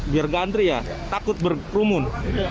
biar keantri ya takut berkerumun